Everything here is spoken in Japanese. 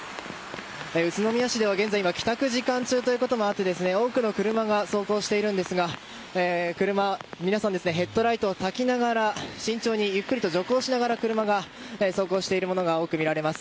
宇都宮市では現在帰宅時間中ということもあって多くの車が走行しているんですが車、皆さんヘッドライトをたきながら慎重にゆっくりと徐行しながら車を走行しているものが多く見られます。